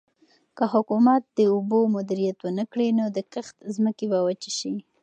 که حکومت د اوبو مدیریت ونکړي نو د کښت ځمکې به وچې شي.